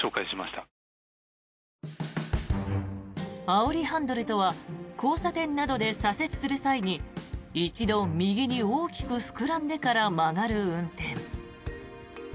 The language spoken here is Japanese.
あおりハンドルとは交差点などで左折する際に一度、右に大きく膨らんでから曲がる運転。